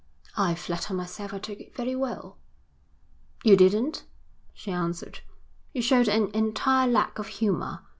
'I flatter myself I took it very well.' 'You didn't,' she answered. 'You showed an entire lack of humour.